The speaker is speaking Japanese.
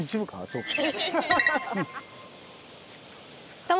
そうか。